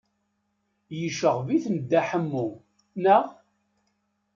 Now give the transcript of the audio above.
Yecɣeb-iken Dda Ḥemmu, naɣ?